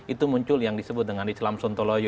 itu muncul yang disebut dengan islam sontoloyo